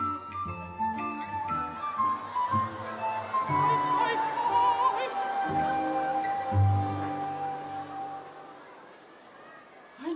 はいはいはい。